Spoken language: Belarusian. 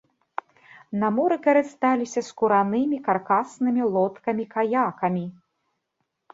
На моры карысталіся скуранымі каркаснымі лодкамі-каякамі.